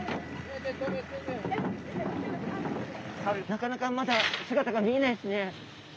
なかなかまだ姿が見えないですね。